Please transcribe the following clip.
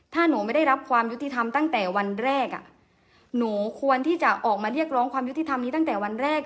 ถ้าหนูไม่ได้รับความยุติธรรมตั้งแต่วันแรกอ่ะหนูควรที่จะออกมาเรียกร้องความยุติธรรมนี้ตั้งแต่วันแรก